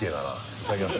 いただきます。